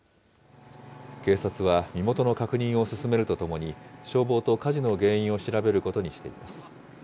警察は身元の確認を進めるとともに、消防と火事の原因を調べることにしています。